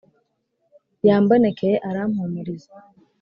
yambonekeye arampumuriza